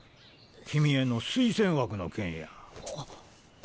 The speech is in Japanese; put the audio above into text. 君への推薦枠の件や。